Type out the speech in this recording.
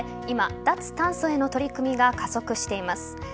今、脱炭素への取り組みが加速しています。